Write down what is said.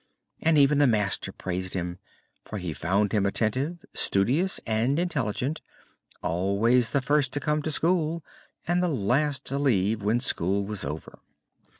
And even the master praised him, for he found him attentive, studious and intelligent always the first to come to school, and the last to leave when school was over.